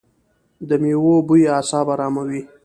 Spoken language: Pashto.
د میوو بوی اعصاب اراموي.